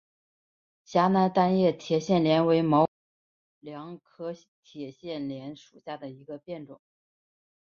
陕南单叶铁线莲为毛茛科铁线莲属下的一个变种。